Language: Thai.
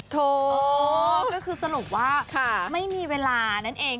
ถูกก็คือสรุปว่าไม่มีเวลานั่นเอง